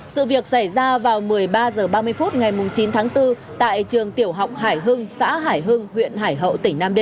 sự việc xảy ra vào một mươi ba h ba mươi phút ngày chín tháng bốn tại trường tiểu học hải hưng xã hải hưng huyện hải hậu